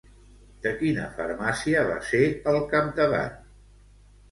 De quina farmàcia va ser al capdavant?